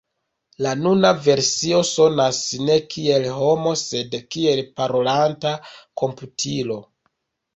La nuna versio sonas ne kiel homo, sed kiel parolanta komputilo.